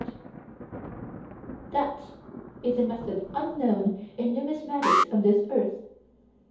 That is a method unknown in numismatics of this earth.